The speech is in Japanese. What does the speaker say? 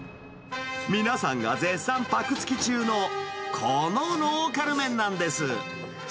皆さんが絶賛ぱくつき中の、このローカル麺なんです。